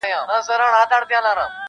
ورځي به توري شپې به ا وږدې وي -